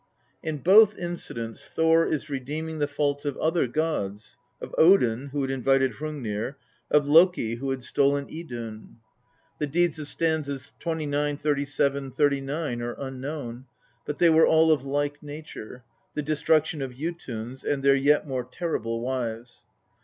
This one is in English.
In both incidents Thor is redeeming the faults of other gods of Odin, who had invited Hrungnir ; of Loki, who had stolen Idun. The deeds of st. 29, 37, 39 are unknown ; but they were all of like nature the destruction of Jotuns, and their yet more terrible wives.